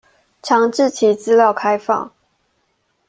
強制其資料開放